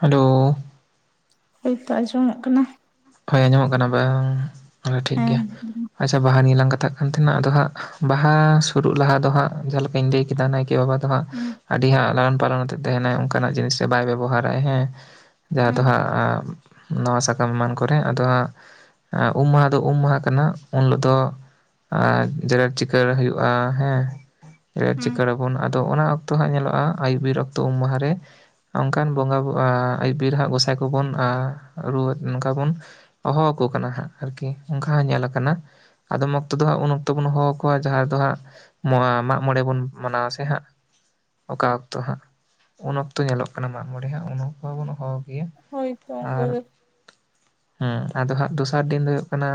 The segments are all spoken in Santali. ᱦᱮᱞᱳ ᱱᱤᱛᱚᱜ ᱟᱸᱡᱚᱢᱚᱜ ᱠᱟᱱᱟ ᱦᱳᱭ ᱟᱸᱡᱚᱢᱚᱜ ᱠᱟᱱᱟ ᱵᱟᱝ ᱛᱚᱵᱮ ᱴᱷᱤᱠ ᱦᱮᱸ ᱜᱮᱭᱟ ᱦᱩᱸ ᱟᱪᱪᱷᱟ ᱵᱟᱦᱟ ᱱᱤᱭᱮ ᱞᱟᱝ ᱠᱟᱛᱷᱟᱜ ᱠᱟᱱ ᱛᱟᱸᱦᱮᱱᱟ ᱟᱫᱚ ᱦᱟᱸᱜ ᱵᱟᱦᱟ ᱥᱩᱨᱩᱜ ᱞᱟᱦᱟ ᱫᱚ ᱦᱟᱸᱜ ᱡᱟᱦᱟᱸ ᱞᱮᱠᱟᱧ ᱞᱟᱹᱭ ᱠᱮᱫᱟ ᱱᱟᱭᱠᱮ ᱵᱟᱵᱟ ᱫᱚ ᱦᱟᱸᱜ ᱟᱹᱰᱤ ᱦᱟᱸᱜ ᱞᱟᱞᱚᱱ ᱯᱟᱞᱚᱱ ᱟᱛᱮᱜ ᱛᱟᱸᱦᱮᱱᱟᱭ ᱚᱱᱠᱟᱱᱟᱜ ᱡᱤᱱᱤᱥ ᱨᱮ ᱵᱟᱭ ᱵᱮᱵᱚᱦᱟᱨᱟᱭ ᱦᱮᱸ ᱡᱟᱦᱟᱸ ᱦᱩᱸ ᱫᱚ ᱦᱟᱸᱜ ᱱᱟᱣᱟ ᱥᱟᱠᱟᱢ ᱮᱢᱟᱱ ᱠᱚᱨᱮ ᱟᱫᱚ ᱦᱟᱸᱜ ᱩᱢ ᱢᱟᱦᱟ ᱫᱚ ᱩᱢ ᱢᱟᱦᱟ ᱠᱟᱱᱟ ᱩᱱ ᱦᱤᱞᱚᱜ ᱫᱚ ᱟᱨ ᱡᱮᱨᱮᱲ ᱪᱤᱠᱟᱹᱲ ᱦᱩᱭᱩᱜ-ᱟ ᱦᱮᱸ ᱡᱮᱨᱮᱲ ᱦᱩᱸ ᱪᱤᱠᱟᱹᱲᱟᱵᱚᱱ ᱛᱚ ᱚᱱᱟ ᱚᱠᱛᱚ ᱦᱟᱸᱜ ᱧᱮᱞᱚᱜ-ᱟ ᱟᱹᱭᱩᱵ ᱵᱤᱨ ᱚᱠᱛᱚ ᱩᱢ ᱢᱟᱦᱟ ᱨᱮ ᱚᱱᱠᱟᱱ ᱵᱚᱸᱜᱟ ᱵᱩ ᱟᱸ ᱟᱹᱭᱩᱵ ᱵᱤᱨ ᱦᱟᱸ ᱜᱚᱸᱥᱟᱭ ᱠᱚᱵᱚᱱ ᱟᱸᱨᱩᱭᱟᱹ ᱱᱚᱝᱠᱟ ᱵᱩᱱ ᱚᱦᱚᱣ ᱠᱚ ᱠᱟᱱᱟ ᱦᱟᱸᱜ ᱟᱨᱠᱤ ᱚᱱᱠᱟ ᱦᱚᱸ ᱧᱮᱞ ᱟᱠᱟᱱᱟ ᱟᱫᱚᱢ ᱚᱠᱛᱚ ᱫᱚ ᱦᱟᱸᱜ ᱩᱱ ᱚᱠᱛᱚ ᱵᱩᱱ ᱦᱚᱦᱚ ᱠᱚᱣᱟ ᱡᱟᱦᱟᱸ ᱨᱮ ᱫᱚ ᱦᱟᱸᱜ ᱢᱚᱣᱟ ᱢᱟᱜ ᱢᱚᱬᱮ ᱵᱩᱱ ᱢᱟᱱᱟᱣᱟ ᱥᱮ ᱦᱟᱸᱜ ᱚᱠᱟ ᱚᱠᱛᱚ ᱦᱟᱸᱜ ᱩᱱ ᱚᱠᱛᱚ ᱧᱮᱞᱚᱜ ᱠᱟᱱᱟ ᱢᱟᱜ ᱢᱚᱬᱮ ᱦᱟᱸᱜ ᱩᱱ ᱚᱠᱛᱚ ᱵᱩᱱ ᱚᱦᱚ ᱦᱳᱭ ᱛᱚ ᱚᱝᱠᱟ ᱜᱮ ᱦᱩᱸ ᱟᱫᱚ ᱦᱟᱸᱜ ᱫᱚᱥᱟᱨ ᱫᱤᱱ ᱫᱚ ᱦᱩᱭᱩᱜ ᱠᱟᱱᱟ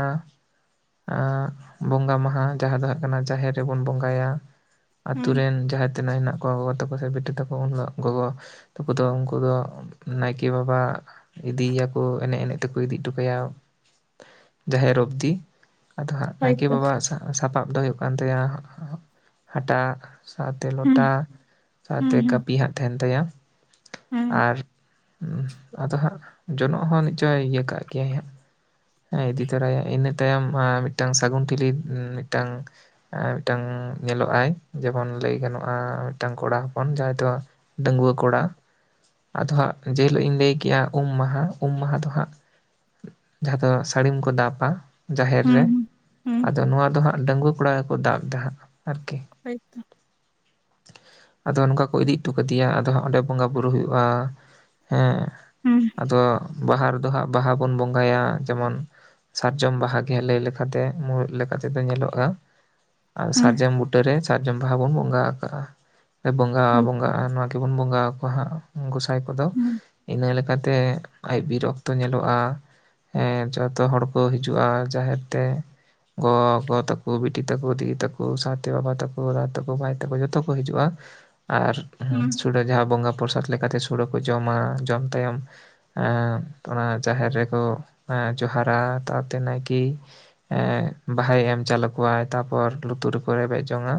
ᱟᱸ ᱵᱚᱸᱜᱟ ᱢᱟᱦᱟ ᱡᱟᱦᱟᱸ ᱫᱚ ᱦᱩᱭᱩᱜ ᱠᱟᱱᱟ ᱡᱟᱦᱮᱨ ᱨᱮᱵᱚᱱ ᱵᱚᱸᱜᱟᱭᱟ ᱟᱛᱩ ᱦᱩᱸ ᱨᱤᱱ ᱡᱟᱦᱟᱸ ᱛᱤᱱᱟᱹᱜ ᱦᱮᱱᱟᱜ ᱜᱚᱜᱚ ᱛᱟᱹᱠᱚ ᱥᱮ ᱵᱤᱴᱤ ᱛᱟᱹᱠᱚ ᱩᱱ ᱦᱤᱞᱚᱜ ᱜᱚᱜᱚ ᱛᱟᱹᱠᱩ ᱫᱚ ᱩᱱᱠᱩ ᱫᱚ ᱱᱟᱭᱠᱤ ᱵᱟᱵᱟ ᱤᱫᱤᱭ ᱭᱟᱠᱚ ᱮᱱᱮᱡ ᱮᱱᱮᱡ ᱛᱮᱠ ᱤᱫᱤ ᱦᱚᱴᱚ ᱠᱟᱭᱟ ᱡᱟᱦᱮᱨ ᱚᱵᱽᱫᱤ ᱟᱫᱚ ᱦᱟᱸᱜ ᱱᱟᱭᱠᱤ ᱦᱳᱭᱛᱚ ᱵᱟᱵᱟ ᱥᱟᱸ ᱥᱟᱯᱟᱵ ᱫᱚ ᱦᱩᱭᱩᱜ ᱠᱟᱱ ᱛᱟᱭᱟ ᱦᱟᱴᱟᱜ ᱥᱟᱶᱛᱮ ᱦᱩᱸ ᱞᱚᱴᱟ ᱥᱟᱶᱛᱮ ᱦᱩᱸ ᱦᱩᱸ ᱠᱟᱹᱯᱤ ᱦᱟᱸᱜ ᱛᱟᱦᱮᱱ ᱛᱟᱭᱟ ᱦᱩᱸ ᱟᱨ ᱟᱫᱚ ᱦᱟᱸᱜ ᱡᱚᱱᱚᱜ ᱦᱚᱸ ᱱᱤᱪ ᱪᱚᱭ ᱤᱭᱟᱹ ᱠᱟᱜ ᱜᱮᱭᱟᱭ ᱦᱟᱸᱜ ᱦᱮᱸ ᱤᱫᱤ ᱛᱚᱨᱟᱭᱟᱭ ᱤᱱᱟᱹ ᱛᱟᱭᱚᱢ ᱢᱤᱫᱴᱟᱝ ᱥᱟᱹᱜᱩᱱ ᱴᱷᱤᱞᱤ ᱢᱤᱫᱴᱟᱝ ᱟᱨ ᱢᱤᱫᱴᱟᱝ ᱧᱮᱞᱚᱜ ᱟᱭ ᱡᱮᱢᱚᱱ ᱞᱟᱹᱭ ᱜᱟᱱᱚᱜ-ᱟ ᱢᱤᱫᱴᱟᱝ ᱠᱚᱲᱟ ᱦᱚᱯᱚᱱ ᱡᱟᱦᱟᱸᱭ ᱫᱚ ᱰᱟᱺᱜᱩᱣᱟᱹ ᱠᱚᱲᱟ ᱟᱫᱚ ᱦᱟᱸᱜ ᱡᱮᱦᱤᱞᱚᱜ ᱤᱧ ᱞᱟᱹᱭ ᱠᱮᱜ-ᱟ ᱩᱢ ᱢᱟᱦᱟ ᱩᱢ ᱢᱟᱦᱟ ᱫᱚ ᱦᱟᱸᱜ ᱡᱟᱦᱟᱸ ᱫᱚ ᱥᱟᱹᱲᱤᱢ ᱠᱚ ᱫᱟᱵᱟ ᱡᱟᱦᱮᱨ ᱨᱮ ᱦᱩᱸ ᱦᱩᱸ ᱟᱫᱚ ᱱᱚᱣᱟ ᱫᱚ ᱦᱟᱸᱜ ᱰᱟᱺᱜᱩᱣᱟᱹ ᱠᱚᱲᱟ ᱜᱮᱠᱚ ᱫᱟᱵ ᱮᱫᱟ ᱦᱟᱸᱜ ᱟᱨᱠᱤ ᱦᱳᱭ ᱛᱚ [inaudible] ᱟᱫᱚ ᱱᱚᱝᱠᱟ ᱠᱩ ᱤᱫᱤ ᱩᱴᱩ ᱠᱟᱹᱫᱤᱭᱟ ᱟᱫᱚ ᱦᱟᱸᱜ ᱚᱸᱰᱮ ᱵᱚᱸᱜᱟ ᱵᱩᱨᱩ ᱦᱩᱭᱩᱜ-ᱟ ᱦᱮᱸ ᱦᱩᱸ ᱟᱫᱚ ᱵᱟᱦᱟ ᱨᱮᱫᱚ ᱦᱟᱸᱜ ᱵᱟᱦᱟ ᱵᱚᱱ ᱵᱚᱸᱜᱟᱭᱟ ᱡᱮᱢᱚᱱ ᱥᱟᱨᱡᱚᱢ ᱵᱟᱦᱟ ᱜᱮ ᱞᱟᱹᱭ ᱞᱮᱠᱟᱛᱮ ᱢᱩᱬᱩᱫ ᱞᱮᱠᱟᱛᱮ ᱫᱚ ᱧᱮᱞᱚᱜ-ᱟ ᱟᱨ ᱦᱩᱸ ᱥᱟᱨᱡᱚᱢ ᱵᱩᱴᱟᱹᱨᱮ ᱥᱟᱨᱡᱚᱢ ᱵᱟᱦᱟ ᱵᱚᱱ ᱵᱚᱸᱜᱟ ᱟᱠᱟᱜ-ᱟ ᱵᱚᱸᱜᱟ ᱦᱳᱭ ᱵᱚᱸᱜᱟᱜ-ᱟ ᱱᱚᱣᱟ ᱜᱤᱵᱚᱱ ᱵᱚᱸᱜᱟ ᱟᱠᱚᱣᱟ ᱦᱟᱸᱜ ᱜᱩᱥ ᱟᱭ ᱠᱚᱫᱚ ᱦᱩᱸ ᱤᱱᱟᱹ ᱞᱮᱠᱟᱛᱮ ᱟᱡ ᱵᱤᱨᱚᱠᱛᱚ ᱧᱮᱞᱚᱜ-ᱟ ᱦᱮᱸ ᱡᱚᱛᱚ ᱦᱚᱲ ᱠᱚ ᱦᱤᱡᱩᱜ-ᱟ ᱡᱟᱦᱮᱨ ᱛᱮ ᱜᱚᱜᱚ ᱛᱟᱹᱠᱩ ᱵᱤᱴᱤ ᱛᱟᱹᱠᱩ ᱫᱤᱫᱤ ᱛᱟᱹᱠᱩ ᱥᱟᱶᱛᱮ ᱵᱟᱵᱟ ᱛᱟᱹᱠᱩ ᱫᱟᱫᱟ ᱛᱟᱹᱠᱩ ᱵᱷᱟᱭ ᱛᱟᱹᱠᱩ ᱡᱚᱛᱚ ᱠᱚ ᱦᱟᱹᱡᱩᱜ-ᱟ ᱟᱨ ᱦᱩᱸ ᱥᱩᱲᱟᱹ ᱡᱟᱦᱟᱸ ᱵᱚᱸᱜᱟ ᱯᱚᱨᱥᱟᱫᱽ ᱞᱮᱠᱟᱛᱮ ᱥᱩᱲᱟᱹ ᱠᱚ ᱡᱚᱢᱟ ᱡᱚᱢ ᱛᱟᱭᱚᱢ ᱚᱱᱟ ᱡᱟᱦᱮᱨ ᱨᱮᱠᱚ ᱡᱚᱦᱟᱨᱟ ᱛᱟᱨᱛᱮ ᱱᱟᱭᱠᱤ ᱮᱜ ᱵᱟᱦᱟᱭ ᱮᱢ ᱪᱟᱞ ᱟᱠᱚᱣᱟᱭ ᱛᱟᱨᱯᱚᱨ ᱞᱩᱛᱩᱨ ᱨᱮᱠᱚ ᱨᱮᱵᱮᱫ ᱡᱚᱝ-ᱟ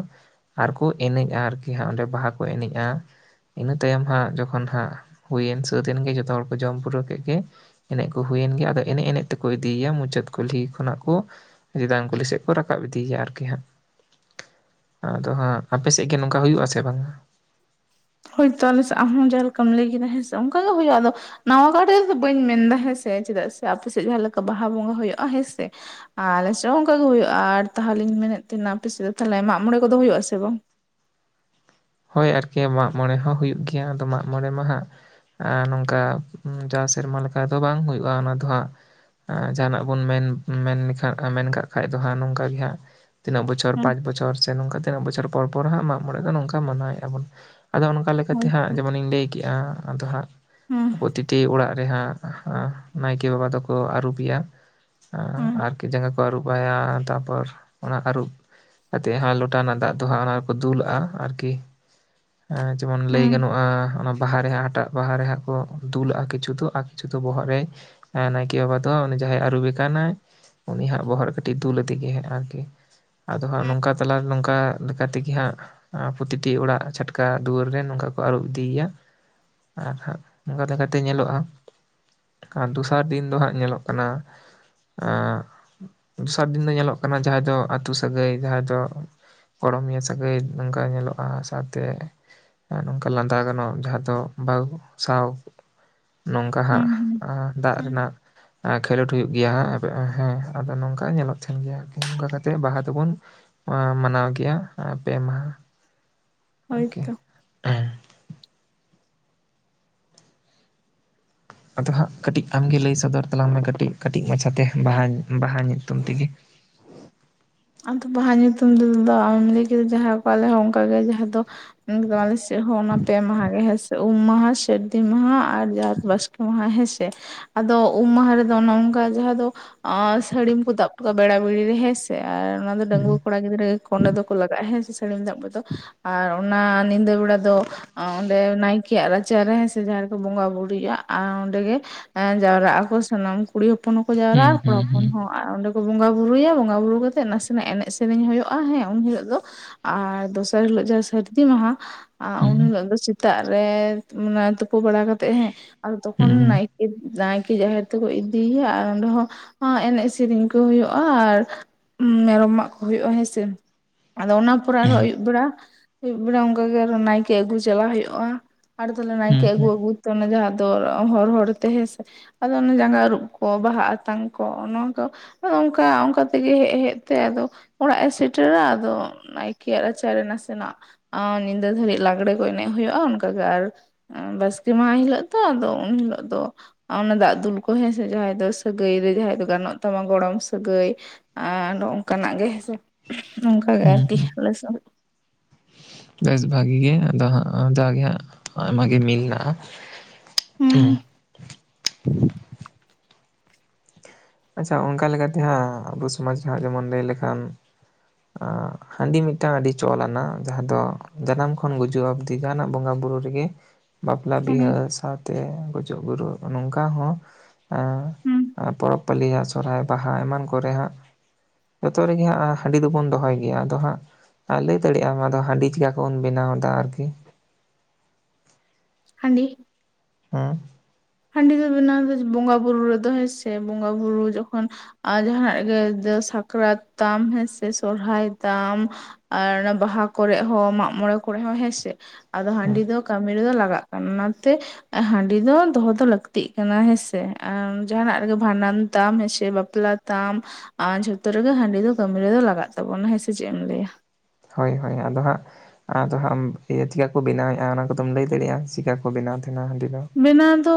ᱟᱨ ᱠᱩ ᱮᱱᱮᱡ-ᱟ ᱟᱨᱠᱤ ᱦᱟᱸᱜ ᱚᱸᱰᱮ ᱵᱟᱦᱟ ᱠᱩ ᱮᱱᱮᱡ-ᱟ ᱤᱱᱟᱹ ᱛᱟᱭᱚᱢ ᱦᱟᱸᱜ ᱡᱚᱠᱷᱚᱱ ᱦᱟᱸᱜ ᱦᱩᱭᱮᱱ ᱥᱟᱹᱛ ᱮᱱ ᱜᱮ ᱡᱚᱛᱚ ᱦᱚᱲ ᱠᱚ ᱡᱚᱢ ᱯᱩᱨᱟᱹᱣ ᱠᱮᱫ ᱜᱮ ᱮᱱᱮᱡ ᱠᱩ ᱦᱩᱭᱮᱱ ᱜᱮ ᱟᱫᱚ ᱮᱱᱮᱡ ᱮᱱᱮᱡ ᱛᱮᱠᱚ ᱤᱫᱤᱭᱟ ᱢᱩᱪᱟᱹᱫ ᱠᱩᱞᱦᱤ ᱠᱷᱚᱱᱟᱜ ᱠᱚ ᱡᱤᱫᱟᱝ ᱠᱩᱞᱤ ᱥᱮᱫ ᱠᱩ ᱨᱟᱠᱟᱵ ᱤᱫᱤᱭᱮᱭᱟ ᱟᱨᱠᱤ ᱦᱟᱸᱜ ᱟᱫᱚ ᱦᱟᱸᱜ ᱟᱯᱮ ᱥᱮᱫ ᱜ ᱱᱚᱝᱠᱟ ᱦᱩᱭᱩᱜ ᱟᱥᱮ ᱵᱟᱝᱼᱟ? ᱦᱳᱭᱛᱳ ᱟᱞᱮ ᱥᱮ ᱟᱢ ᱦᱚᱸ ᱡᱟᱦᱟᱸ ᱞᱮᱠᱟᱢ ᱞᱟᱹᱭ ᱠᱮᱫᱟ᱾ᱦᱮᱸ ᱥᱮ ᱚᱱᱠᱟ ᱜᱮ ᱦᱩᱭᱩᱜᱼᱟ ᱟᱫᱚ ᱱᱟᱣᱟ ᱜᱟᱨ ᱨᱮ ᱫᱚ ᱵᱟᱹᱧ ᱢᱮᱱᱫᱟ ᱦᱮᱸᱥᱮ ᱪᱮᱫᱟᱜ ᱥᱮ ᱟᱯᱮ ᱥᱮᱫ ᱡᱟᱦᱟᱸ ᱞᱮᱠᱟ ᱵᱟᱦᱟ ᱵᱚᱸᱜᱟ ᱦᱩᱭᱩᱜ-ᱟ ᱦᱮᱸ ᱥᱮ ᱟᱨ ᱟᱞᱮᱥᱮᱫ ᱦᱚᱸ ᱚᱱᱠᱟ ᱜᱮ ᱦᱩᱭᱩᱜ-ᱟ ᱟᱨ ᱛᱟᱦᱚᱞᱤᱧ ᱢᱮᱱᱮᱫ ᱛᱟᱦᱮᱱᱟ ᱟᱯᱮ ᱥᱮᱫ ᱫᱚ ᱛᱟᱦᱚᱞᱮ ᱢᱟᱜ ᱢᱚᱬᱮ ᱠᱚᱫᱚ ᱦᱩᱭᱩᱜᱼᱟ ᱥᱮ ᱵᱟᱝ? ᱦᱳᱭ ᱟᱨᱠᱤ ᱢᱟᱜ ᱢᱚᱬᱮ ᱦᱚᱸ ᱦᱩᱭᱩᱜ ᱜᱮᱭᱟ ᱟᱫᱚ ᱢᱟᱜ ᱢᱚᱬᱮ ᱢᱟᱦᱟᱜ ᱱᱚᱝᱠᱟ ᱡᱟ ᱥᱮᱨᱢᱟ ᱞᱮᱠᱟ ᱫᱚ ᱵᱟᱝ ᱦᱩᱭᱩᱜ-ᱟ ᱚᱱᱟ ᱫᱚ ᱦᱟᱸᱜ ᱡᱟᱦᱟᱱᱟᱜ ᱵᱚᱱ ᱢᱮᱱ ᱢᱮᱱᱠᱷᱟᱱ ᱢᱮᱱ ᱠᱟᱜ ᱠᱷᱟᱱᱡ ᱫᱚ ᱦᱟᱸᱜ ᱱᱚᱝᱠᱟ ᱜᱮ ᱦᱟᱸᱜ ᱛᱤᱱᱟᱹᱜ ᱵᱚᱪᱷᱚᱨ ᱯᱟᱸᱪ ᱵᱚᱪᱷᱚᱨ ᱥᱮ ᱱᱚᱝᱠᱟ ᱛᱤᱱᱟᱹᱜ ᱵᱚᱪᱷᱚᱨ ᱯᱚᱨ ᱯᱚᱨ ᱦᱟᱸᱜ ᱢᱟᱜ ᱢᱚᱬᱮ ᱫᱚ ᱱᱚᱝᱠᱟ ᱢᱟᱱᱟᱣᱮᱫ-ᱟ ᱵᱩᱱ ᱟᱫᱚ ᱠᱟ ᱞᱮᱠᱟᱛᱮ ᱦᱳᱭ ᱦᱟᱸᱜ ᱡᱮᱢᱚᱱᱤᱧ ᱞᱟᱹᱭ ᱠᱮᱫ-ᱟ ᱟᱫᱚ ᱦᱟᱸᱜ ᱦᱩᱸ ᱯᱨᱚᱛᱤᱴᱤ ᱚᱲᱟᱜ ᱨᱮᱦᱟᱸᱜ ᱱᱟᱭᱠᱮ ᱵᱟᱵᱟ ᱫᱚᱠᱚ ᱟᱹᱨᱩᱵ ᱮᱭᱟ ᱟᱸ ᱦᱩᱸ ᱟᱨᱠᱤ ᱡᱟᱸᱜᱟ ᱠᱚ ᱟᱹᱨᱩᱵ ᱵᱟᱲᱟᱭᱟ ᱛᱟᱯᱚᱨ ᱚᱱᱟ ᱟᱹᱨᱩᱵ ᱠᱟᱛᱮᱫ ᱦᱟᱸ ᱞᱚᱴᱟ ᱨᱮᱱᱟᱜ ᱫᱟᱜ ᱫᱚ ᱦᱟᱸ ᱚᱱᱟ ᱨᱮᱠᱚ ᱫᱩᱞᱟᱜᱼᱟ ᱟᱨᱠᱤ ᱦᱮᱸ ᱡᱮᱢᱚᱱ ᱞᱟᱹᱭ ᱦᱩᱸ ᱜᱟᱱᱚᱜᱼᱟ, ᱚᱱᱟ ᱵᱟᱦᱟ ᱨᱮᱦᱟᱸᱜ ᱦᱟᱴᱟᱜ ᱵᱟᱦᱟ ᱨᱮ ᱦᱟᱸᱜ ᱠᱚ ᱫᱩᱞᱟᱜᱼᱟ ᱠᱤᱪᱷᱩ ᱫᱚ ᱟ ᱡᱚᱛᱚ ᱵᱚᱦᱚᱜ ᱨᱮ ᱱᱟᱭᱠᱮ ᱵᱟᱵᱟ ᱫᱚ ᱩᱱᱤ ᱡᱟᱦᱟᱸᱭ ᱟᱹᱨᱩᱵᱮ ᱠᱟᱱᱟᱭ ᱩᱱᱤ ᱦᱟᱸᱜ ᱵᱚᱦᱚᱜ ᱨᱮ ᱠᱟᱹᱴᱤᱡ ᱫᱩᱞ ᱟᱫᱮ ᱜᱮ ᱦᱟᱸ ᱟᱨᱠᱤ ᱟᱫᱚ ᱦᱟᱸᱜ ᱱᱚᱝᱠᱟ ᱛᱟᱞᱟ ᱱᱚᱝᱠᱟ ᱞᱮᱠᱟ ᱛᱮᱜᱮ ᱦᱟᱸᱜ ᱯᱚᱛᱤᱴᱤ ᱚᱲᱟᱜ ᱪᱷᱟᱴᱠᱟ ᱫᱩᱣᱟᱹᱨ ᱨᱮ ᱱᱚᱝᱠᱟ ᱠᱚ ᱟᱹᱨᱩᱵ ᱤᱫᱤᱭᱭᱟ ᱟᱨ ᱦᱟᱸᱜ ᱚᱱᱠᱟ ᱞᱮᱠᱟᱛᱮ ᱧᱮᱞᱚᱜᱼᱟ᱾ ᱟᱨ ᱫᱚᱥᱟᱨ ᱫᱤᱱ ᱫᱚ ᱦᱟᱸᱜ ᱧᱮᱞᱚᱜ ᱠᱟᱱᱟ [inaudible] ᱫᱚᱥᱟᱨ ᱫᱤᱱ ᱫᱚ ᱧᱮᱞᱚᱜ ᱠᱟᱱᱟ ᱡᱟᱦᱟᱸᱭ ᱫᱚ ᱟᱛᱩ ᱥᱟᱹᱜᱟᱹᱭ ᱡᱟᱦᱟᱸᱭ ᱫᱚ ᱜᱚᱲᱚᱢᱤᱭᱟᱹ ᱥᱟᱹᱜᱟᱹᱭ ᱚᱱᱠᱟ ᱧᱮᱞᱚᱜ ᱟᱨ ᱥᱟᱶᱛᱮ ᱱᱚᱝᱠᱟ ᱞᱟᱸᱫᱟ ᱜᱟᱱᱚᱜᱼᱟ᱾ ᱡᱟᱦᱟᱸ ᱫᱚ ᱵᱟᱦᱩ ᱥᱟᱶ ᱱᱚᱝᱠᱟ ᱦᱟᱸᱜ ᱦᱩᱸ ᱟᱸ ᱫᱟᱜ ᱦᱩᱸ ᱨᱮᱱᱟᱜ ᱠᱷᱮᱞᱳᱰ ᱦᱩᱭᱩᱜ ᱜᱮᱭᱟ ᱦᱟᱸ [unintelligible] ᱦᱮᱸ ᱟᱫᱚ ᱱᱚᱝᱠᱟ ᱧᱮᱞᱚᱜ ᱛᱟᱦᱮᱱ ᱜᱮᱭᱟ ᱱᱚᱝᱠᱟ ᱠᱟᱛᱮᱜ ᱵᱟᱦᱟ ᱫᱚ ᱵᱚᱱ ᱟᱢ ᱢᱟᱱᱟᱣ ᱜᱮᱭᱟ ᱟᱨ ᱯᱮ ᱢᱟᱦᱟ ᱦᱳᱭᱛᱚ [inaudible] ᱟᱫᱚ ᱦᱟᱸᱜ ᱠᱟᱹᱴᱤᱡ ᱟᱢᱜᱮ ᱞᱟᱹᱭ ᱥᱚᱫᱚᱨ ᱛᱟᱞᱟᱝ ᱢᱮ ᱠᱟᱹᱴᱤᱡ ᱠᱟᱹᱴᱤᱡ ᱢᱟᱪᱷᱟᱛᱮ ᱵᱟᱦᱟ ᱵᱟᱦᱟ ᱧᱩᱛᱩᱢ ᱛᱮᱜᱮ ᱟᱫᱚ ᱵᱟᱦᱟ ᱧᱩᱛᱩᱢ ᱛᱮᱫᱚ ᱟᱢ ᱞᱟᱹᱭ ᱠᱮᱫᱟ ᱡᱟᱦᱟᱸ ᱠᱚ ᱟᱞᱮ ᱦᱚᱸ ᱚᱱᱠᱟᱜ ᱜᱮ ᱡᱟᱦᱟᱸ ᱫᱚ ᱟᱞᱮ ᱥᱮ ᱞᱮ ᱦᱚᱸ ᱚᱱᱟ ᱯᱮ ᱢᱟᱦᱟ ᱜᱮ ᱦᱮᱸ ᱥᱮ ᱩᱢ ᱢᱟᱦᱟ, ᱥᱟᱹᱨᱫᱤ ᱢᱟᱦᱟ ᱟᱨ ᱡᱟᱛ ᱵᱟᱥᱠᱮ ᱢᱟᱦᱟ ᱦᱮᱸᱥᱮ ᱠᱮ ᱟᱫᱚ ᱩᱢ ᱢᱟᱦᱟ ᱨᱮᱫᱚ ᱚᱱᱚ ᱚᱝᱠᱟ ᱡᱟᱦᱟᱸ ᱫᱚ ᱟᱨ ᱥᱟᱹᱲᱤᱢ ᱠᱚ ᱫᱟᱵ ᱦᱚᱴ ᱠᱟᱜᱼᱟ᱾ ᱵᱮᱲᱟ ᱵᱮᱲᱤ ᱨᱮ ᱦᱮᱸᱥᱮ ᱟᱨ ᱚᱱᱟ ᱫᱚ ᱦᱩᱸ ᱰᱟᱺᱜᱩᱭᱟᱹ ᱠᱚᱲᱟ ᱠᱚᱲᱟ ᱜᱤᱫᱽᱨᱟᱹ ᱜᱮ ᱚᱸᱰᱮ ᱫᱚᱠᱚ ᱞᱟᱜᱟᱜᱼᱟ᱾ ᱦᱮᱸ ᱥᱮ ᱥᱟᱹᱲᱤᱢ ᱫᱟᱯ ᱨᱮᱫᱚ ᱟᱨ ᱚᱱᱟ ᱧᱤᱫᱟᱹ ᱵᱮᱲᱟ ᱫᱚ ᱚᱸᱰᱮ ᱱᱟᱭᱠᱮᱭᱟᱜ ᱨᱟᱪᱟᱨᱮ ᱦᱮᱸᱥᱮ ᱡᱟᱦᱟᱸ ᱨᱮᱠᱚ ᱵᱚᱸᱜᱟ ᱵᱩᱨᱩᱭᱟᱜᱼᱟ ᱚᱸᱰᱮ ᱜᱮ ᱦᱮᱸ ᱡᱟᱣᱨᱟᱜ ᱟᱠᱚ ᱥᱟᱱᱟᱢ ᱠᱩᱲᱤ ᱦᱚᱯᱚᱱ ᱦᱚᱸᱠᱚ ᱡᱟᱣᱨᱟᱼᱟ ᱠᱚᱲᱟ ᱦᱩᱸ ᱦᱚᱯᱚᱱ ᱦᱩᱸ ᱦᱚᱸ ᱟᱨ ᱚᱸᱰᱮ ᱠᱚ ᱵᱚᱸᱜᱟ ᱵᱩᱨᱩᱭᱟ ᱵᱚᱸᱜᱟ ᱵᱩᱨᱩ ᱠᱟ- ᱱᱟᱥᱮ ᱱᱟᱜ ᱮᱱᱮᱡ ᱥᱮᱨᱮᱧ ᱦᱩᱭᱩᱜᱼᱟ ᱦᱮᱸ ᱩᱱ ᱦᱤᱞᱳᱜ ᱫᱚ ᱟᱨ ᱫᱚᱥᱟᱨ ᱦᱤᱞᱳᱜ ᱡᱟᱦᱟᱸ ᱥᱟᱹᱨᱫᱤ ᱢᱟᱦᱟ ᱟᱸ ᱩᱱ ᱦᱤᱞᱳᱜ ᱫᱚ ᱥᱮᱛᱟᱜ ᱨᱮ ᱢᱟᱱᱮ ᱛᱩᱯᱩ ᱵᱟᱲᱟ ᱠᱟᱛᱮᱜ ᱦᱮᱸ ᱟᱫᱚ ᱛᱚᱠᱷᱚᱱ ᱦᱩᱸ ᱱᱟᱭᱠᱮ ᱱᱟᱭᱠᱮ ᱡᱟᱦᱮᱨ ᱛᱮᱠᱚ ᱤᱫᱤᱭᱮᱭᱟ ᱟᱨ ᱚᱸᱰᱮ ᱦᱚᱸ ᱮᱱᱮᱡ ᱥᱮᱨᱮᱧ ᱠᱚ ᱦᱩᱭᱩᱜᱼᱟ ᱟᱨ ᱢᱮᱨᱚᱢ ᱢᱟᱜ ᱠᱚ ᱦᱩᱭᱩᱜᱼᱟ ᱦᱮᱸ ᱥᱮ ᱟᱫᱚ ᱚᱱᱟ ᱯᱚᱨᱮ ᱟᱨᱦᱚᱸ ᱟᱹᱭᱩᱵ ᱵᱮᱲᱟ ᱟᱹᱭᱩᱵ ᱵᱮᱲᱟ ᱚᱱᱠᱟ ᱜᱮ ᱱᱟᱭᱠᱮ ᱟᱹᱜᱩ ᱪᱟᱞᱟᱣ ᱦᱩᱭᱩᱜᱼᱟ᱾ ᱟᱨ ᱛᱟᱦᱚᱞᱮ ᱱᱟᱭᱠᱮ ᱟᱹᱜᱩ ᱦᱩᱸ ᱟᱹᱜᱩ ᱛᱮ ᱚᱱᱮ ᱡᱟᱦᱟᱸ ᱫᱚ ᱦᱚᱨ ᱦᱚᱨ ᱛᱮ ᱦᱮᱸᱥᱮ ᱟᱫᱚ ᱚᱱᱮ ᱡᱟᱸᱜᱟ ᱟᱹᱨᱩᱵ ᱠᱚ ᱵᱟᱦᱟ ᱟᱛᱟᱝ ᱠᱚ ᱱᱚᱭᱟᱫᱚ ᱚᱱᱠᱟ, ᱚᱱᱠᱟ ᱛᱮᱜᱮ ᱦᱮᱡ ᱦᱮᱡ ᱛᱮ ᱟᱫᱚ ᱚᱲᱟᱜ ᱮ ᱥᱮᱴᱮᱨᱟ ᱟᱫᱚ ᱱᱟᱭᱠᱮᱭᱟᱜ ᱨᱟᱪᱟᱨᱮ ᱱᱟᱥᱮᱱᱟᱜ ᱟᱸ ᱧᱤᱫᱟᱹ ᱫᱷᱟᱹᱨᱤᱡ ᱞᱟᱜᱽᱲᱮ ᱠᱚ ᱮᱱᱮᱡ ᱦᱩᱭᱩᱜᱼᱟ ᱚᱱᱠᱟᱜ ᱜᱮ ᱟᱨ ᱵᱟᱥᱠᱮ ᱢᱟᱦᱟ ᱦᱤᱞᱳᱜ ᱛᱚ ᱟᱫᱚ ᱩᱱ ᱦᱤᱞᱳᱜ ᱫᱚ ᱚᱱᱟ ᱫᱟᱜ ᱫᱩᱞ ᱠᱚ ᱦᱮᱸ ᱥᱮ ᱡᱟᱦᱟᱸᱭ ᱫᱚ ᱥᱟᱹᱜᱟᱹᱭ ᱨᱮ ᱡᱟᱦᱟᱸᱭ ᱫᱚ ᱜᱟᱱᱚᱜ ᱛᱟᱢᱟ ᱜᱚᱲᱚᱢ ᱥᱟᱹᱜᱟᱹᱭ ᱟᱨ ᱱᱚᱝᱠᱟ ᱱᱟᱜ ᱜᱮ ᱦᱮᱸᱥᱮ ᱱᱚᱝᱠᱟᱜᱮ ᱦᱩᱸ ᱟᱨᱠᱤ ᱦᱩᱸ ᱟᱞᱮ ᱥᱮᱫ ᱫᱚ ᱵᱮᱥ ᱵᱷᱟᱹᱜᱤ ᱜᱮ ᱟᱫᱚ ᱦᱟᱸᱜ ᱡᱟᱜᱮ ᱦᱟᱸᱜ ᱟᱭᱢᱟ ᱜᱮ ᱢᱤᱞ ᱢᱮᱱᱟᱜᱼᱟ᱾ ᱦᱩᱸ [unintelligible] ᱟᱪᱷᱟ ᱚᱱᱠᱟ ᱞᱮᱠᱟᱛᱮ ᱦᱟᱸᱜ ᱟᱵᱚ ᱥᱚᱢᱟᱡᱽ ᱡᱟᱦᱟᱸ ᱡᱮᱢᱚᱱ ᱞᱟᱹᱭ ᱞᱮᱠᱷᱟᱱ ᱦᱟᱸ ᱦᱟᱺᱰᱤ ᱢᱤᱫᱴᱟᱝ ᱟᱹᱰᱤ ᱪᱚᱞ ᱟᱱᱟ ᱡᱟᱦᱟᱸ ᱫᱚ ᱡᱟᱱᱟᱢ ᱠᱷᱚᱱ ᱜᱩᱡᱩᱜ ᱦᱟᱹᱵᱤᱡ ᱫᱤᱜᱟᱱᱟᱜ ᱵᱚᱸᱜᱟ ᱵᱩᱨᱩ ᱨᱮᱜᱮ ᱵᱟᱯᱞᱟ ᱵᱤᱦᱟᱹ ᱦᱩᱸ ᱥᱟᱶᱛᱮ ᱜᱩᱡᱩᱜ ᱜᱩᱨᱩ ᱱᱚᱝᱠᱟ ᱦᱚᱸ ᱦᱩᱸ ᱟᱸ ᱯᱚᱨᱚᱵᱽ ᱯᱟᱹᱞᱤᱭᱟᱜ ᱥᱚᱨᱦᱟᱭ ᱵᱟᱦᱟ ᱮᱢᱟᱱ ᱠᱚᱨᱮ ᱦᱟᱸᱜ ᱡᱚᱛᱚ ᱨᱮᱜᱮ ᱦᱟᱸᱜ ᱦᱟᱺᱰᱤ ᱫᱚᱵᱚᱱ ᱫᱚᱦᱚᱭ ᱜᱮᱭᱟ ᱟᱫᱚ ᱦᱟᱸᱜ ᱟᱨ ᱞᱟᱹᱭ ᱫᱟᱲᱮᱭᱟᱜᱼᱟᱢ ᱟᱫᱚ ᱦᱟᱺᱰᱤ ᱪᱤᱠᱟᱹ ᱠᱚ ᱵᱚᱱ ᱵᱮᱱᱟᱣ ᱮᱫᱟ ᱟᱨᱠᱤ ᱦᱟᱺᱰᱤ ᱦᱮᱸ ᱦᱟᱺᱰᱤ ᱫᱚ ᱵᱮᱱᱟᱣ ᱫᱚ ᱵᱚᱸᱜᱟ ᱵᱩᱨᱩ ᱨᱮ ᱫᱚ ᱦᱮᱸ ᱥᱮ ᱵᱚᱸᱜᱟ ᱵᱩᱨᱩ ᱡᱚᱠᱷᱚᱱ ᱟᱨ ᱡᱟᱦᱟᱸᱟᱱᱟᱜ ᱜᱮ ᱥᱟᱠᱨᱟᱛ ᱛᱟᱢ ᱦᱮᱸᱥᱮ ᱥᱚᱨᱦᱟᱭ ᱛᱟᱢ ᱟᱨ ᱵᱟᱦᱟ ᱠᱚᱨᱮᱜ ᱦᱚᱸ ᱢᱟᱜ ᱢᱚᱬᱮ ᱠᱚᱨᱮ ᱦᱚᱸ ᱦᱮᱸᱥᱮ ᱟᱫᱚ ᱦᱮᱸ ᱦᱟᱺᱰᱤ ᱫᱚ ᱠᱟᱹᱢᱤ ᱨᱮᱫᱚ ᱞᱟᱜᱟᱜ ᱠᱟᱱᱟ ᱚᱱᱟᱛᱮ ᱦᱟᱺᱰᱤ ᱫᱚ ᱫᱚᱦᱚ ᱞᱟᱹᱠᱛᱤᱜ ᱠᱟᱱᱟ ᱦᱮᱸᱥᱮ ᱟᱨ ᱡᱟᱦᱟᱱᱟᱜ ᱨᱮᱜᱮ ᱵᱷᱟᱸᱰᱟᱱ ᱛᱟᱢ ᱦᱮᱸᱥᱮ ᱵᱟᱯᱞᱟ ᱛᱟᱢ ᱟᱨ ᱡᱷᱚᱛᱚ ᱨᱮᱜᱮ ᱦᱟᱺᱰᱤ ᱫᱚ ᱠᱟᱹᱢᱤ ᱨᱮᱫᱚ ᱞᱟᱜᱟᱜ ᱛᱟᱵᱚᱱᱟ ᱦᱮᱸᱥᱮ ᱪᱮᱫ ᱮᱢ ᱞᱟᱹᱭᱟ ᱦᱳᱭ ᱦᱳᱭ ᱟᱫᱚ ᱦᱟᱸᱜ ᱟᱫᱚ ᱦᱟᱸᱜ ᱤᱭᱟᱹ ᱪᱤᱠᱟᱹ ᱠᱚ ᱵᱮᱱᱟᱣᱮᱫᱼᱟ ᱚᱱᱟ ᱠᱚᱫᱚᱢ ᱞᱟᱹᱭ ᱫᱟᱲᱮᱭᱟᱜᱼᱟ ᱪᱤᱠᱟᱹ ᱠᱚ ᱵᱮᱱᱟᱣ ᱛᱟᱦᱮᱱᱟ ᱦᱟᱺᱰᱤ ᱫᱚ ᱵᱮᱱᱟᱣ ᱫᱚ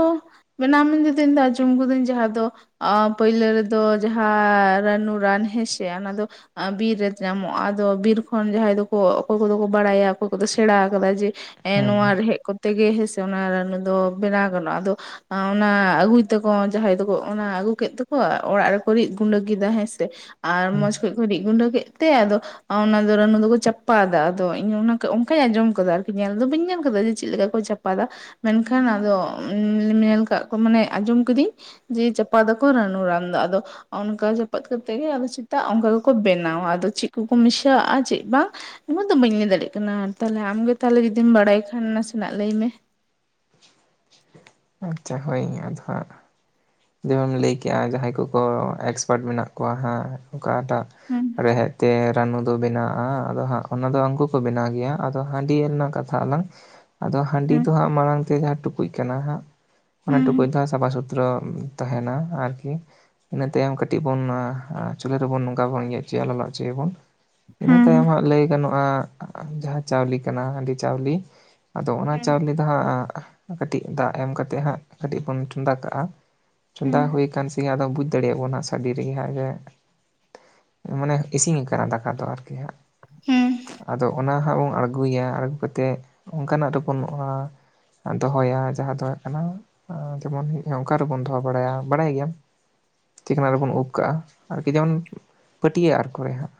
ᱵᱮᱱᱟᱢ ᱢᱮ ᱛᱮᱫ ᱟᱸᱡᱚᱢ ᱠᱟᱫᱟᱹᱧ ᱡᱟᱦᱟᱸ ᱫᱚ ᱚᱻ ᱯᱳᱭᱞᱳ ᱨᱮᱫᱚ ᱡᱟᱦᱟᱸ ᱨᱟᱱᱩ ᱨᱟᱱ ᱦᱮᱸᱥᱮ ᱚᱱᱟ ᱫᱚ ᱵᱤᱨ ᱨᱮ ᱧᱟᱢᱚᱜᱼᱟ ᱟᱫᱚ ᱵᱤᱨ ᱠᱷᱚᱱ ᱡᱟᱦᱟᱸᱭ ᱫᱚᱠᱚ ᱚᱠᱚᱭ ᱠᱚᱫᱚ ᱠᱚ ᱵᱟᱲᱟᱭᱟ ᱚᱠᱚᱭ ᱠᱚᱫᱚ ᱥᱮᱬᱟ ᱟᱠᱟᱫᱟ ᱡᱮ ᱦᱮᱸ ᱱᱚᱣᱟ ᱨᱮᱦᱮᱫ ᱠᱚᱛᱮ ᱜᱮ ᱦᱮᱸᱥᱮ ᱚᱱᱟ ᱨᱟᱱᱩ ᱫᱚ ᱵᱮᱱᱟᱣ ᱜᱟᱱᱚᱜᱼᱟ ᱟᱫᱚ ᱚᱱᱟ ᱟᱹᱜᱩᱭ ᱛᱟᱠᱚ ᱡᱟᱦᱟᱸᱭ ᱫᱚᱠᱚ ᱚᱱᱟ ᱟᱹᱜᱩ ᱠᱮᱫ ᱛᱟᱠᱚ ᱚᱲᱟᱜ ᱨᱮᱠᱚ ᱨᱤᱫ ᱜᱩᱸᱰᱟᱹ ᱠᱮᱫᱟ ᱦᱮᱸᱥᱮ᱾ ᱟᱨ ᱦᱮᱸ ᱢᱚᱸᱡᱽ ᱠᱚᱡ ᱠᱚ ᱨᱤᱫ ᱜᱩᱸᱰᱟᱹ ᱠᱮᱫ ᱛᱮ ᱟᱫᱚ ᱚ ᱻᱱᱟ ᱫᱚ ᱨᱟᱱᱩ ᱫᱚᱠᱚ ᱪᱟᱯᱟᱫᱟ ᱟᱫᱚ ᱤᱧ ᱚᱱᱠᱟᱧ ᱟᱸᱡᱚᱢ ᱠᱟᱫᱟ ᱟᱨᱠᱤ ᱧᱮᱞ ᱫᱚ ᱵᱟᱹᱧ ᱧᱮᱞ ᱟᱠᱟᱫᱟ ᱡᱮ ᱪᱮᱫ ᱞᱮᱠᱟ ᱠᱚ ᱪᱟᱯᱟᱫᱟ᱾ ᱢᱮᱱᱠᱷᱟᱱ ᱟᱫᱚᱻ ᱧᱮᱞ ᱠᱟᱜ ᱠᱚ ᱢᱟᱱᱮ ᱟᱸᱡᱚᱢ ᱠᱤᱫᱟᱹᱧ ᱡᱮ ᱪᱟᱯᱟᱫᱚ ᱠᱚ ᱨᱟᱱᱩ ᱨᱟᱱ ᱫᱚ ᱟᱫᱚ ᱚᱱᱠᱟ ᱡᱟᱹᱯᱩᱫ ᱠᱟᱛᱮᱫ ᱜᱮ ᱥᱮᱛᱟᱜ ᱚᱱᱠᱟ ᱜᱮᱠᱚ ᱵᱮᱱᱟᱣᱟ ᱟᱫᱚ ᱪᱮᱫ ᱠᱚᱠᱚ ᱢᱮᱥᱟᱣᱟᱜᱼᱟ ᱪᱮᱫ ᱵᱟᱝ ᱱᱚᱣᱟ ᱫᱚ ᱵᱟᱹᱧ ᱞᱟᱹᱭ ᱫᱟᱲᱮᱭᱟᱜ ᱠᱟᱱᱟ ᱛᱟᱦᱚᱞᱮ ᱟᱢᱜᱮ ᱛᱟᱦᱚᱞᱮ ᱡᱩᱫᱤᱢ ᱵᱟᱲᱟᱭ ᱠᱷᱟᱱ ᱱᱟᱥᱮᱱᱟᱜ ᱞᱟᱹᱭ ᱢᱮ ᱟᱪᱪᱷᱟ ᱦᱳᱭᱧ ᱟᱫᱚ ᱡᱮᱢᱮᱢ ᱞᱟᱹᱭ ᱠᱮᱫᱮᱜᱼᱟ ᱡᱟᱦᱟᱸᱭ ᱠᱚᱠᱚ ᱮᱠᱥᱯᱟᱨᱴ ᱢᱮᱱᱟᱜ ᱠᱚᱣᱟ ᱦᱟᱸᱜ ᱚᱠᱟᱴᱟᱜ ᱦᱩᱸ ᱨᱮᱦᱮᱫ ᱛᱮ ᱨᱟᱱᱩ ᱫᱚ ᱵᱮᱱᱟᱜᱼᱟ ᱟᱫᱚ ᱦᱟᱸᱜ ᱚᱱᱟ ᱫᱚ ᱦᱟᱜᱠᱩ ᱠᱚ ᱵᱮᱱᱟᱣ ᱜᱮᱭᱟ ᱟᱫᱚ ᱦᱟᱺᱰᱤ ᱨᱮᱱᱟᱜ ᱠᱟᱛᱷᱟ ᱟᱞᱟᱝ ᱟᱫᱚ ᱦᱟᱺᱰᱤ ᱦᱩᱸ ᱫᱚ ᱦᱟᱸᱜ ᱢᱟᱲᱟᱝ ᱛᱮ ᱡᱟᱦᱟᱸ ᱴᱩᱠᱩᱡ ᱠᱟᱱᱟ ᱦᱟᱸᱜ ᱚᱱᱟ ᱦᱩᱸ ᱴᱩᱠᱩᱡ ᱦᱩᱸ ᱫᱚ ᱥᱟᱯᱷᱟ ᱥᱩᱛᱨᱚ ᱛᱟᱦᱮᱱᱟ ᱟᱨᱠᱤ ᱤᱱᱟᱹ ᱛᱟᱭᱚᱢ ᱠᱟᱹᱴᱤᱡ ᱵᱚᱱ ᱪᱩᱞᱦᱟᱹ ᱨᱮᱵᱚᱱ ᱱᱚᱝᱠᱟ ᱵᱚᱱᱤᱭᱟᱹ ᱦᱚᱪᱚᱭᱟ ᱞᱟᱜᱟᱣ ᱦᱚᱪᱚᱭᱟᱵᱚᱱ ᱤᱱᱟᱹ ᱛᱟᱭᱚᱢ ᱦᱩᱸ ᱦᱟᱸᱜ ᱞᱟᱹᱭ ᱜᱟᱱᱚᱜᱼᱟ ᱡᱟᱦᱟᱸ ᱪᱟᱣᱞᱮ ᱠᱟᱱᱟ ᱦᱟᱺᱰᱤ ᱪᱟᱣᱞᱮ ᱟᱫᱚ ᱚᱱᱟ ᱪᱟᱣᱞᱮ ᱫᱚ ᱦᱟᱸᱜ ᱠᱟᱹᱴᱤᱡ ᱫᱟᱜ ᱮᱢ ᱠᱟᱛᱮᱮᱫ ᱦᱟᱸᱜ ᱠᱟᱹᱴᱤᱡ ᱵᱚᱱ ᱪᱚᱸᱫᱟ ᱠᱟᱜᱼᱟ ᱦᱩᱸ ᱪᱚᱸᱫᱟ ᱦᱩᱭ ᱟᱠᱟᱱ ᱥᱮ ᱟᱫᱚᱚᱢ ᱵᱩᱡᱽ ᱫᱟᱲᱮᱭᱟᱜ ᱵᱚᱱᱟᱟᱸᱜ ᱥᱟᱰᱮ ᱨᱮᱜᱮ ᱦᱟᱸᱜ ᱡᱮ ᱢᱟᱱᱮ ᱤᱥᱤᱱ ᱠᱟᱱᱟ ᱫᱟᱠᱟ ᱫᱚ ᱟᱨᱠᱤ ᱦᱟᱸᱜ ᱦᱩᱸ ᱟᱫᱚ ᱚᱱᱟ ᱦᱟᱸᱜ ᱵᱚᱱ ᱟᱬᱜᱚ ᱟᱹᱜᱩᱭᱟ ᱟᱹᱜᱩ ᱠᱟᱛᱮᱮᱫ ᱚᱱᱠᱟᱱᱟᱜ ᱨᱮ ᱵᱚᱱᱩᱜᱼᱟ ᱫᱚᱦᱚᱭᱟ ᱡᱟᱦᱟᱸ ᱫᱚ ᱡᱮᱢᱚᱱ ᱚᱱᱠᱟ ᱨᱮᱵᱚᱱ ᱫᱚᱦᱚ ᱵᱟᱲᱟᱭᱟ ᱵᱟᱲᱟᱭ ᱜᱮᱭᱟᱢ ᱛᱤᱠᱱᱟᱜ ᱨᱮᱵᱚᱱ ᱩᱵ ᱠᱟᱜᱼᱟ ᱟᱨᱠᱤ ᱡᱮᱢᱚᱱ ᱯᱟᱹᱴᱭ ᱟᱨ ᱠᱚᱨᱮᱦᱟᱸᱜ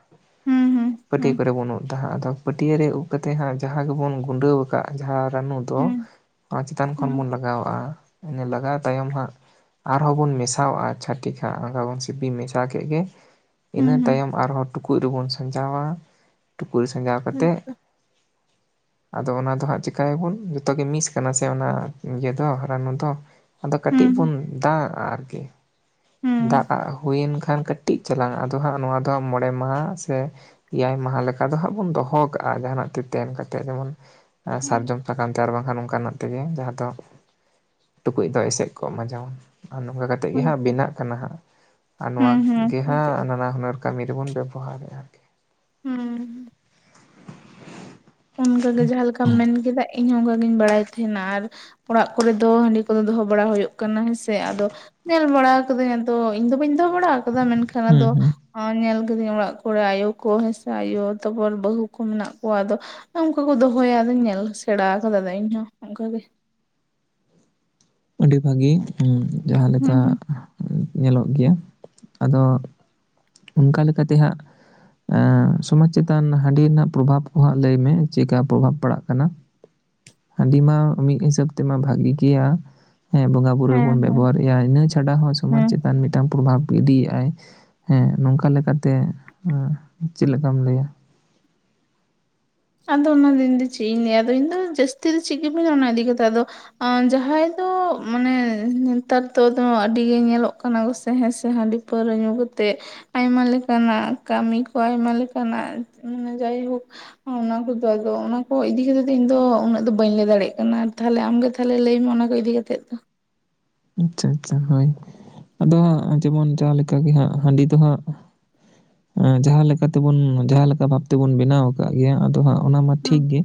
ᱦᱩᱸ ᱦᱩᱸ ᱦᱩᱸ ᱯᱟᱹᱴᱭᱟᱹ ᱠᱚᱨᱮ ᱵᱟᱹᱱᱩᱜ ᱛᱟᱦᱮᱸᱫ ᱟᱫᱚ ᱯᱟᱹᱴᱭᱟᱹ ᱨᱮ ᱩᱵ ᱠᱟᱛᱮᱜ ᱦᱟᱸᱜ ᱡᱟᱦᱟᱸ ᱜᱮᱵᱚᱱ ᱜᱩᱰᱟᱹᱣ ᱟᱠᱟᱜ ᱡᱟᱦᱟᱸ ᱨᱟᱱᱩ ᱫᱚ ᱦᱩᱸ ᱚᱱᱟ ᱪᱮᱛᱟᱱ ᱠᱷᱚᱱ ᱦᱩᱸ ᱵᱚᱱ ᱞᱟᱜᱟ ᱞᱚᱼᱟ ᱢᱮ ᱞᱟᱜᱟᱣ ᱛᱟᱭᱚᱢ ᱦᱟᱸᱜ ᱟᱨᱦᱚᱸ ᱵᱚᱱ ᱢᱮᱥᱟᱣᱟᱜᱼᱟ ᱪᱷᱟ ᱴᱤᱠ ᱠᱟ ᱵᱚᱱ ᱥᱤᱯᱤ ᱢᱮᱥᱟ ᱠᱮᱫ ᱜᱮ ᱦᱩᱸ ᱤᱱᱟᱹ ᱦᱩᱸ ᱛᱟᱭᱚᱢ ᱟᱨᱦᱚᱸ ᱴᱩᱠᱩᱡ ᱨᱮᱵᱚᱱ ᱥᱟᱡᱟᱣᱟ ᱴᱩᱠᱩᱡ ᱨᱮ ᱥᱟᱡᱟᱣ ᱠᱟᱛᱮ ᱦᱳᱭᱛᱚ ᱟᱫᱚ ᱚᱱᱟ ᱫᱚ ᱦᱟᱸᱜ ᱪᱤᱠᱟᱭᱟᱵᱚᱱ ᱡᱚᱛᱚᱜ ᱜᱮ ᱢᱤᱥ ᱠᱟᱱᱟ ᱥᱮ ᱚᱱᱟ ᱤᱭᱟᱹ ᱫᱚ ᱨᱟᱱᱩ ᱫᱚ ᱟᱫᱚ ᱠᱟᱹᱴᱤᱡ ᱦᱩᱸ ᱵᱚᱱ ᱫᱟᱜ ᱟᱜᱼᱟ ᱟᱨᱠᱤ ᱫᱟᱜ ᱟᱜ ᱦᱩᱭᱮᱱ ᱠᱷᱟᱱ ᱠᱟᱹᱴᱤᱡ ᱪᱟᱞᱟᱝ, ᱟᱫᱚ ᱦᱟᱸᱜ ᱱᱚᱣᱟ ᱫᱚ ᱦᱟᱸᱜ ᱢᱚᱬᱮ ᱢᱟᱦᱟ ᱥᱮ ᱮᱭᱟᱭ ᱢᱟᱦᱟ ᱞᱮᱠᱟ ᱫᱚ ᱦᱟᱸᱜ ᱵᱚᱱ ᱫᱚᱦᱚ ᱠᱟᱜᱼᱟ ᱡᱟᱦᱟᱱᱟᱜ ᱛᱮ ᱛᱮᱱ ᱠᱟᱛᱮᱫ ᱡᱮᱢᱚᱱ ᱥᱟᱨᱡᱚᱢ ᱥᱟᱠᱟᱢ ᱛᱮ ᱟᱨ ᱵᱟᱝᱠᱷᱟᱱ ᱚᱱᱠᱟᱱᱟᱜ ᱛᱮᱜᱮ ᱡᱟᱦᱟᱸ ᱫᱚ ᱴᱩᱠᱩᱡ ᱫᱚ ᱮᱥᱮᱫ ᱠᱚᱜ-ᱢᱟ ᱡᱟ ᱟᱨ ᱱᱚᱝᱠᱟ ᱠᱟᱛᱮ ᱛ ᱜᱮ ᱦᱟᱸᱜ ᱵᱮᱱᱟᱜ ᱠᱟᱱᱟ ᱦᱟᱸᱜ ᱟᱨ ᱱᱚᱣᱟ ᱦᱩᱸ ᱦᱩᱸ ᱜᱮ ᱦᱟᱸᱜ ᱦᱳᱭᱛᱚ ᱱᱟᱱᱟ ᱦᱩᱱᱟᱹᱨ ᱠᱟᱹᱢᱤ ᱨᱮᱵᱚᱱ ᱵᱮᱵᱚᱦᱟᱨᱮᱫᱼᱟ ᱟᱨᱠᱤ ᱦᱩᱸ ᱦᱩᱸ ᱚᱱᱠᱟᱜᱮ ᱡᱟᱦᱟ ᱞᱮᱠᱟᱢ ᱢᱮᱱᱠᱮᱫᱟ ᱤᱧᱦᱚᱸ ᱚᱱᱠᱟᱜᱤᱧ ᱵᱟᱲᱟᱭ ᱛᱟᱦᱮᱱᱟ ᱟᱨ ᱚᱲᱟᱜ ᱠᱚᱨᱮ ᱫᱚ ᱦᱟᱺᱰᱤ ᱠᱚᱫᱚ ᱫᱚᱦᱚ ᱵᱟᱲᱟ ᱦᱩᱭᱩᱜ ᱠᱟᱱᱟ ᱦᱮᱸᱥᱮ ᱟᱫᱚ ᱧᱮᱞ ᱵᱟᱲᱟ ᱠᱟᱹᱫᱟᱹᱧ ᱟᱫᱚ ᱤᱧᱫᱚ ᱵᱟᱹᱧ ᱫᱚᱦᱚ ᱵᱟᱲᱟ ᱠᱟᱫᱟ ᱢᱮᱱᱠᱷᱟᱱ ᱦᱩᱸ ᱟᱫᱚ ᱦᱩᱸ ᱧᱮᱞ ᱠᱤᱫᱟᱹᱧ ᱚᱲᱟᱜ ᱠᱚᱨᱮ ᱟᱭᱳ ᱠᱚ ᱦᱮᱸᱥᱟ ᱟᱭᱳ ᱛᱟᱨᱯᱚᱨ ᱵᱟᱹᱦᱩ ᱠᱚ ᱢᱮᱱᱟᱜ ᱠᱚᱣᱟ ᱟᱫᱚ ᱚᱱᱠᱟ ᱠᱚ ᱫᱚᱦᱚᱭᱟ ᱟᱫᱚᱧ ᱧᱮᱞ ᱥᱮᱬᱟ ᱟᱠᱟᱫᱟ ᱫᱟ ᱤᱧ ᱦᱚᱸ ᱚᱝᱠᱟᱜ ᱜᱮ ᱟᱹᱰᱤ ᱵᱷᱟᱹᱜᱤ ᱡᱟᱦᱟᱸ ᱦᱩᱸ ᱞᱮᱠᱟ ᱦᱩᱸ ᱧᱮᱞᱚᱜ ᱜᱮᱭᱟ ᱟᱫᱚ ᱚᱱᱠᱟ ᱞᱮᱠᱟᱛᱮ ᱦᱟᱸᱜ ᱥᱚᱢᱟᱡᱽ ᱪᱮᱛᱟᱱ ᱦᱟᱺᱰᱤ ᱨᱮᱱᱟᱜ ᱯᱨᱚᱵᱷᱟᱵᱽ ᱠᱚ ᱦᱟᱸᱜ ᱞᱟᱹᱭ ᱢᱮ᱾ ᱪᱮᱫᱠᱟ ᱯᱨᱚᱵᱷᱟᱵᱽ ᱯᱟᱲᱟᱜ ᱠᱟᱱᱟ᱾ ᱦᱟᱺᱰᱤ ᱢᱟ ᱢᱤᱫ ᱦᱤᱥᱟᱹᱵ ᱛᱮᱢᱟ ᱵᱷᱟᱜᱤ ᱜᱮᱭᱟ ᱾ ᱦᱮᱸ ᱵᱚᱸᱜᱟ ᱯᱩᱨᱟᱹ ᱵᱚᱱ ᱦᱮᱸ ᱦᱮᱸ ᱵᱮᱵᱚᱦᱟᱨᱮᱜᱼᱟ ᱤᱱᱟᱹ ᱪᱷᱟᱰᱟ ᱦᱚᱸ ᱥᱚᱢᱟᱡᱽ ᱦᱮᱸ ᱪᱮᱛᱟᱱ ᱢᱤᱫᱴᱟᱝ ᱯᱨᱚᱵᱷᱟᱵᱽ ᱤᱫᱤᱭᱮᱫᱟᱭ᱾ ᱦᱮᱸ ᱱᱚᱝᱠᱟ ᱞᱮᱠᱟᱛᱮ ᱪᱮᱫ ᱞᱮᱠᱟᱢ ᱞᱟᱹᱭᱟ ᱟᱫᱚ ᱚᱱᱟ ᱫᱤᱱ ᱫᱚ ᱪᱮᱫ ᱤᱧ ᱞᱟᱹᱭᱟ ᱟᱫᱚ ᱤᱧ ᱫᱚ ᱡᱟᱹᱥᱛᱤ ᱫᱚ ᱪᱮᱫ ᱜᱮ ᱚᱱᱟ ᱤᱫᱤ ᱠᱟᱛᱮᱜ ᱟᱫᱚ ᱡᱟᱦᱟᱸᱭ ᱫᱚ ᱢᱟᱱᱮ ᱱᱮᱛᱟᱨ ᱛᱚ ᱫᱚ ᱟᱹᱰᱤ ᱜᱮ ᱧᱮᱞᱚᱜ ᱠᱟᱱᱟ ᱜᱮᱥᱮ ᱦᱮᱸ ᱥᱮ ᱦᱟᱺᱰᱤ ᱯᱟᱹᱨᱟᱹ ᱧᱩ ᱠᱟᱛᱮᱫ ᱟᱭᱢᱟ ᱞᱮᱠᱟᱱᱟᱜ ᱠᱟᱹᱢᱤ ᱠᱚ ᱟᱭᱢᱟ ᱞᱮᱠᱟᱱᱟᱜ ᱢᱟᱱᱮ ᱡᱟᱭᱦᱳᱠ ᱚᱱᱟ ᱠᱚᱫᱚ ᱟᱫᱚ ᱚᱱᱟ ᱠᱚ ᱤᱫᱤ ᱠᱟᱛᱮ ᱤᱧ ᱫᱚ ᱩᱱᱟᱹᱜ ᱫᱚ ᱵᱟᱹᱧ ᱞᱟᱹᱭ ᱫᱟᱲᱮᱭᱟᱜ ᱠᱟᱱᱟ, ᱛᱟᱦᱮ ᱟᱢ ᱜᱮ ᱛᱟᱦᱞᱮ ᱞᱟᱹᱭ ᱢᱮ ᱚᱱᱟ ᱠᱚ ᱤᱫᱤ ᱠᱟᱛᱮᱫ ᱫᱚ ᱟᱪᱪᱷᱟ ᱟᱪᱪᱷᱟ ᱦᱳᱭ ᱟᱫᱚ ᱦᱟᱸᱜ ᱡᱮᱢᱚᱱ ᱡᱟᱦᱟ ᱜᱮ ᱦᱟᱸᱜ ᱦᱟᱺᱰᱤ ᱫᱚ ᱦᱟᱸᱜ ᱡᱟᱦᱟᱸ ᱞᱮᱠᱟ ᱛᱮᱵᱚᱱ ᱡᱟᱦᱟᱸ ᱞᱮᱠᱟ ᱵᱷᱟᱵ ᱛᱮᱵᱚᱱ ᱵᱮᱱᱟᱣ ᱟᱠᱟᱫ ᱜᱮᱭᱟ ᱟᱫᱚ ᱦᱟᱸᱜ ᱚᱱᱟ ᱢᱟ ᱴᱷᱤᱠ ᱜᱮ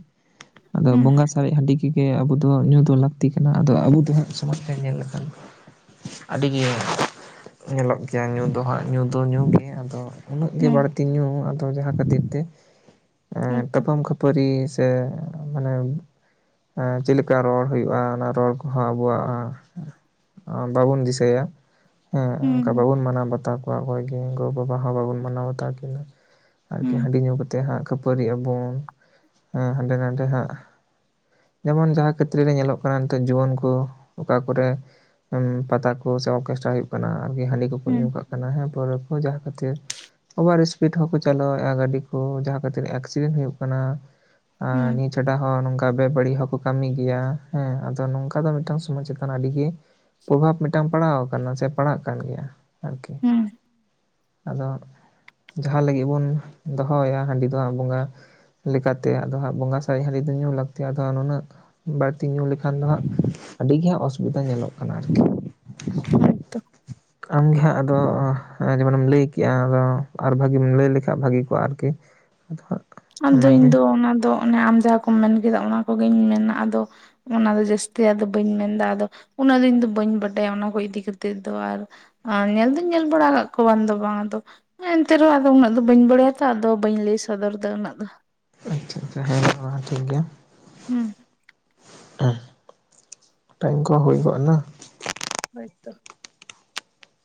ᱟᱫᱚ ᱦᱮᱸ ᱵᱚᱸᱜᱟ ᱛᱟᱨᱮᱡ ᱦᱟᱺᱰᱤ ᱜᱮᱜᱮ ᱟᱵᱚ ᱫᱚ ᱧᱩ ᱫᱚ ᱞᱟᱹᱠᱛᱤ ᱠᱟᱱᱟ ᱟᱫᱚ ᱟᱵᱚ ᱫᱚ ᱦᱟᱸᱜ ᱥᱚᱢᱟᱡᱽ ᱨᱮ ᱧᱮᱞᱞᱮ ᱟᱹᱰᱤᱜᱮ ᱧᱮᱞᱚᱜ ᱜᱮᱭᱟ ᱧᱩ ᱫᱚ ᱦᱟᱸᱜ ᱧᱩ ᱫᱚ ᱧᱩ ᱜᱮ ᱟᱫᱚ ᱩᱱᱟᱹᱜ ᱜᱮ ᱦᱮᱸ ᱵᱟᱹᱲ ᱛᱤ ᱧᱩ ᱟᱫᱚ ᱡᱟᱦᱟᱸ ᱠᱷᱟᱹᱛᱤᱨ ᱛᱮ ᱦᱳᱭᱛᱚ ᱛᱟᱯᱟᱢ ᱠᱷᱟᱹᱯ ᱯᱟᱹᱨᱤ ᱥᱮ ᱢᱟᱱᱮ ᱪᱮᱫ ᱞᱮᱠᱟ ᱨᱚᱲ ᱦᱩᱭᱩᱜᱼᱟ, ᱚᱱᱟ ᱨᱚᱲ ᱠᱚᱦᱚᱸ ᱟᱵᱚᱣᱟᱜ ᱵᱟᱵᱚᱱ ᱫᱤᱥᱟᱹᱭᱟ ᱦᱮᱸ ᱚᱱᱠᱟ ᱦᱩᱸ ᱵᱟᱵᱚᱱ ᱢᱟᱱᱟᱣ ᱵᱟᱛᱟᱣ ᱚᱠᱚᱭ ᱜᱮ ᱜᱚᱼᱵᱟᱵᱟ ᱦᱚᱸ ᱵᱟᱵᱚᱱ ᱢᱟᱱᱟᱣ ᱵᱟᱛᱟᱣ ᱠᱤᱱᱟ᱾ ᱟᱨᱠᱤ ᱦᱩᱸ ᱦᱟᱺᱰᱤ ᱧᱩ ᱠᱟᱛᱮ ᱦᱟᱸᱜ ᱠᱷᱟᱹᱯᱟᱹᱨᱤᱜ ᱟᱵᱚᱱ ᱦᱟᱸᱰᱮ ᱱᱟᱰᱮ ᱦᱟᱸᱜ ᱡᱮᱢᱚᱱ ᱡᱟᱦᱟᱸ ᱠᱷᱮᱛᱨᱮ ᱨᱮ ᱧᱮᱞᱚᱜ ᱠᱟᱱᱟ ᱱᱤᱛᱚᱜ ᱡᱩᱣᱟᱹᱱ ᱠᱚ ᱚᱠᱟ ᱠᱚᱨᱮ ᱯᱟᱛᱟ ᱠᱚ ᱥᱮ ᱚᱨᱠᱮᱥᱴᱟᱨ ᱦᱩᱭᱩᱜ ᱠᱟᱱᱟ ᱟᱨᱠᱤ ᱦᱟᱺᱰᱤ ᱠᱚᱠᱚ ᱧᱩ ᱦᱩᱸ ᱠᱟᱜ ᱠᱟᱱᱟᱸ ᱦᱮᱸ ᱯᱟᱣᱨᱟᱹ ᱠᱚ ᱡᱟᱦᱟᱸ ᱠᱷᱟᱹᱛᱤᱨ ᱚᱵᱷᱟᱨ ᱤᱥᱯᱤᱰ ᱦᱚᱸᱠᱚ ᱪᱟᱞᱟᱣᱮᱜᱼᱟ ᱜᱟᱹᱰᱤ ᱠᱚ, ᱡᱟᱦᱟᱸ ᱠᱷᱟᱹᱛᱤᱨ ᱮᱠᱥᱤᱰᱮᱱᱴ ᱦᱩᱭᱩᱜ ᱠᱟᱱᱟ᱾ ᱟᱨ ᱱᱤᱛ ᱦᱩᱸ ᱪᱷᱟᱰᱟ ᱦᱚᱸ ᱱᱚᱝᱠᱟ ᱵᱮ ᱵᱟᱹᱲᱤᱡ ᱦᱚᱸᱠᱚ ᱠᱟᱹᱢᱤ ᱜᱮᱭᱟ, ᱦᱮᱸ ᱟᱫᱚ ᱱᱚᱝᱠᱟ ᱫᱚ ᱢᱤᱫᱴᱟᱝ ᱥᱚᱢᱟᱡᱽ ᱪᱮᱛᱟᱱ ᱟᱹᱰᱤ ᱜᱮ ᱯᱚᱵᱷᱟᱵᱽ ᱢᱤᱫᱴᱟᱝ ᱯᱟᱲᱟᱣ ᱠᱟᱱᱟ, ᱥᱮ ᱯᱟᱲᱟᱜ ᱠᱟᱱ ᱜᱮᱭᱟ ᱟᱨᱠᱤ᱾ ᱦᱩᱸ ᱟᱫᱚ ᱡᱟᱦᱟᱸ ᱞᱟᱹᱜᱤᱫ ᱵᱚᱱ ᱫᱚᱦᱚᱭᱟ ᱦᱟᱺᱰᱤ ᱫᱚ ᱦᱟᱜ ᱵᱚᱸᱜᱟ ᱞᱮᱠᱟᱛᱮ ᱟᱫᱚ ᱦᱟᱸᱜ ᱵᱚᱸᱜᱟ ᱥᱟᱨᱮᱡ ᱦᱟᱺᱰᱤ ᱫᱚ ᱧᱩ ᱞᱟᱹᱠᱛᱤ, ᱟᱫᱚ ᱦᱟᱜ ᱱᱩᱱᱟᱹᱜ ᱵᱟᱹᱲᱛᱤ ᱧᱩ ᱞᱮᱠᱷᱟᱱ ᱫᱚ ᱦᱟᱸᱜ ᱟᱹᱰᱤᱜᱮ ᱦᱟᱸᱜ ᱚᱥᱩᱵᱤᱫᱟ ᱧᱮᱞᱚᱜ ᱠᱟᱱᱟ ᱟᱨᱠᱤ ᱦᱳᱭ ᱛᱚ ᱟᱢᱜᱮᱦᱟᱸᱜ ᱟᱫᱚ ᱡᱮᱢᱚᱱᱮᱢ ᱞᱟᱹᱭ ᱠᱮᱜᱼᱟ ᱟᱫᱚ ᱟᱨ ᱵᱷᱟᱹᱜᱤᱢ ᱞᱟᱹᱭ ᱞᱮᱠᱷᱟᱱ ᱵᱷᱟᱹᱜᱤ ᱠᱚᱜᱼᱟ ᱟᱨᱠᱤ᱾ ᱟᱫᱚ ᱦᱟᱸ ᱟᱫᱚ ᱤᱧᱫᱚ ᱚᱱᱟᱫᱚ ᱚᱱᱮ ᱟᱢ ᱡᱟᱦᱟᱸ ᱠᱚᱢ ᱢᱮᱱ ᱠᱮᱫᱟ ᱚᱱᱟ ᱠᱚᱜᱤᱧ ᱢᱮᱱᱟ ᱟᱫᱚ᱾ ᱚᱱᱟᱫᱚ ᱡᱟᱹᱥᱛᱤ ᱟᱫᱚ ᱵᱟᱹᱧ ᱢᱮᱱᱫᱟ ᱟᱫᱚ ᱩᱱᱟᱹᱜ ᱫᱚ ᱤᱧᱫᱚ ᱵᱟᱹᱧ ᱵᱟᱰᱟᱭᱟ ᱚᱱᱟ ᱠᱚ ᱤᱫᱤ ᱠᱟᱛᱮᱫ ᱫᱚ ᱟᱨ ᱟᱨ ᱧᱮᱞ ᱫᱩᱧ ᱧᱮᱞ ᱵᱟᱲᱟ ᱠᱚᱣᱟ ᱵᱟᱝ ᱫᱚ ᱵᱟᱝ ᱮᱱᱛᱮ ᱨᱮᱦᱚᱸ ᱟᱫᱚ ᱩᱱᱟᱹᱜ ᱫᱚ ᱵᱟᱹᱧ ᱵᱟᱲᱟᱭᱟᱛᱚ ᱟᱫᱚ ᱵᱟᱹᱧ ᱞᱟᱹᱭ ᱥᱚᱫᱚᱨ ᱮᱫᱟ ᱩᱱᱟᱹᱜ ᱫᱚ᱾ ᱟᱪᱷᱟ ᱟᱪᱷᱟ ᱦᱮᱸ ᱢᱟ ᱴᱷᱤᱠ ᱜᱮᱭᱟ ᱦᱩᱸ ᱦᱮᱸ ᱴᱟᱭᱤᱢ ᱠᱚ ᱦᱩᱭ ᱜᱚᱫᱱᱟ ᱦᱳᱭ ᱛᱚ